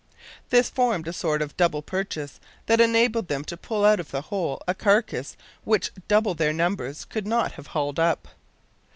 This formed a sort of double purchase, that enabled them to pull out of the hole a carcass which double their numbers could not have hauled up.